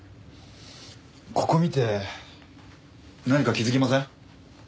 ここ見て何か気づきません？